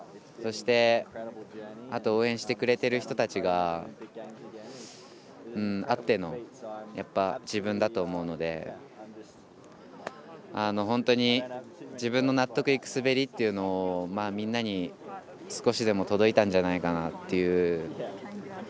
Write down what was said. そして応援してくれてる人たちがあっての自分だと思うので本当に、自分の納得いく滑りというのをみんなに少しでも届いたんじゃないかなという。